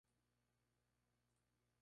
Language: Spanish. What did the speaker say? Montoya y Compañía, en Madrid.